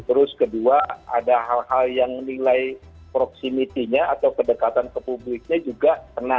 terus kedua ada hal hal yang menilai proximity nya atau kedekatan ke publiknya juga kena